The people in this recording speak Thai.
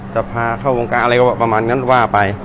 จะพาเข้าวงการอะไรก็ประมาณนั้นว่าไป